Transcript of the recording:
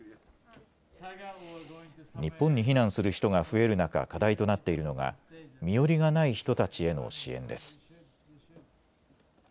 日本に避難する人が増える中、課題となっているのが、身寄りがない人たちへの支援です。